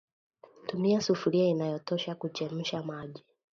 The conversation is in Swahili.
Tumia sufuria inayotosha kuchemsha maji